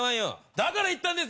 だから言ったんです